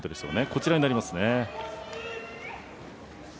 こちらになります。